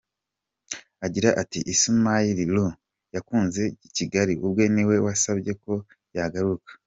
Agira ati “Ismael Lo yakunze Kigali, ubwe niwe wasabye ko yagaruka.